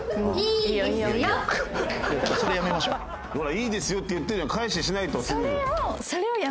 「いいですよ」って言ってるじゃん返ししないとすぐ。